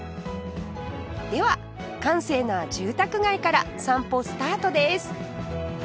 では閑静な住宅街から散歩スタートです